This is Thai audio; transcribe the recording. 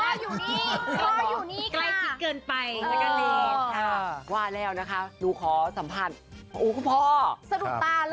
โตจริงนึกถึงรอครักน้องพ่อ